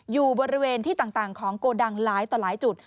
อยู่บริเวณที่ต่างของโกดังหลายต่อหลายจุด